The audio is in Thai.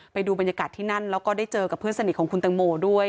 ไปดูบรรยากาศที่นั่นแล้วก็ได้เจอกับเพื่อนสนิทของคุณตังโมด้วย